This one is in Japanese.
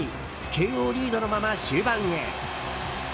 慶應リードのまま終盤へ。